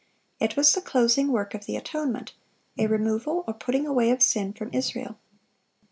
It was the closing work of the atonement,—a removal or putting away of sin from Israel.